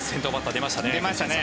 出ましたね。